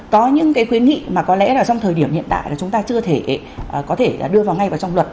có những cái khuyến nghị mà có lẽ là trong thời điểm hiện tại là chúng ta chưa thể có thể đưa vào ngay vào trong luật